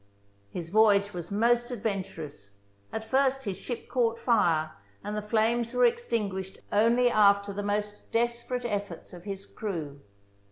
His voyage was most adventurous. At first his ship caught fire, and the flames were extinguished only after the most desperate efforts of his crew.